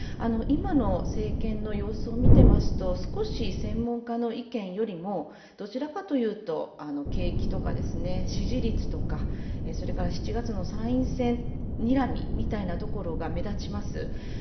今の政権の様子を見てますと少し専門家の意見よりもどちらかというと、景気とか支持率とか、７月の参院選にらみみたいなところが目立ちます。